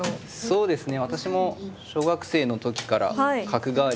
そうですね。